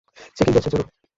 Checking চলছে, চলো।